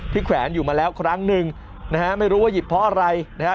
แขวนอยู่มาแล้วครั้งหนึ่งนะฮะไม่รู้ว่าหยิบเพราะอะไรนะฮะ